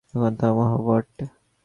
এখন, থামো, হুবার্ট।